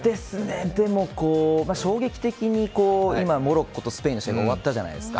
衝撃的に今モロッコとスペインの試合が終わったじゃないですか。